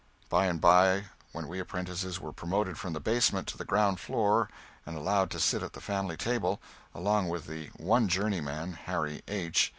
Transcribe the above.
By and by, when we apprentices were promoted from the basement to the ground floor and allowed to sit at the family table, along with the one journeyman, Harry H.